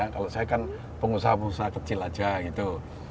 kalau saya kan pengusaha pengusaha kecil aja gitu